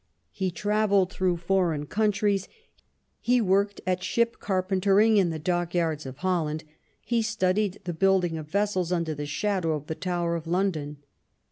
He travelled through foreign countries ; he worked at ship carpentering in the dock yards of Holland; he studied the building of vessels under the shadow of the Tower of London.